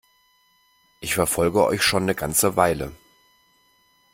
Ich verfolge euch schon 'ne ganze Weile.